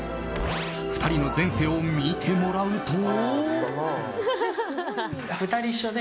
２人の前世を見てもらうと。